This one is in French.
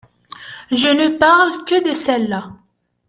Je ne parle que de celle-là.